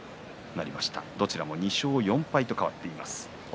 どちらも２勝４敗と変わっています。